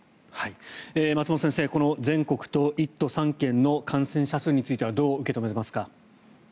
松本先生、この全国と１都３県の感染者数についてはどう受け止めていますか。